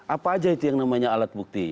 apa aja itu yang namanya alat bukti